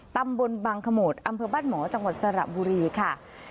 ตำบลบางขโมดอำเภอบ้านหมอจังหวัดสระบุรีค่ะ